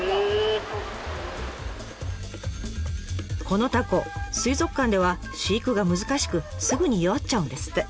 このタコ水族館では飼育が難しくすぐに弱っちゃうんですって。